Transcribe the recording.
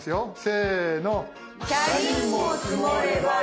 せの。